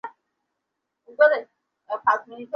Doctor Rao বোকা!